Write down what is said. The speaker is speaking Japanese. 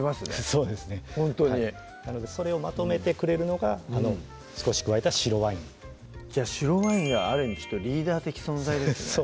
そうですねなのでそれをまとめてくれるのがあの少し加えた白ワインじゃあ白ワインがある意味リーダー的存在ですね